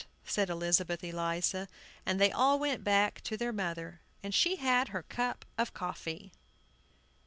said Elizabeth Eliza; and they all went back to their mother, and she had her cup of coffee.